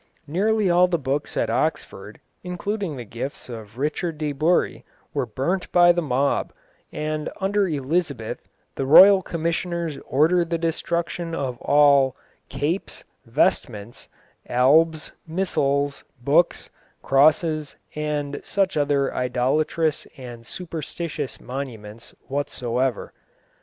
Nearly all the books at Oxford, including the gifts of Richard de Bury, were burnt by the mob, and under Elizabeth the royal commissioners ordered the destruction of all "capes, vestments, albes, missals, books, crosses, and such other idolatrous and superstitious monuments whatsoever."